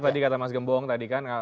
tadi kata mas gembong tadi kan